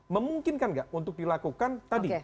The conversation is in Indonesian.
memungkinkan nggak untuk dilakukan tadi